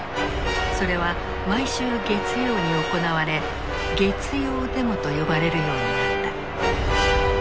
それは毎週月曜に行われ「月曜デモ」と呼ばれるようになった。